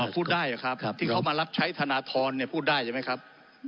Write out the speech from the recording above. พูดได้หรอครับที่เขามารับใช้ธนธรณ์เนี่ยพูดได้ใช่ไหมครับ